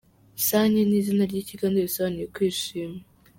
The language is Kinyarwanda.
Sanyu ni izina ry’Ikigande bisobanuye kwishima.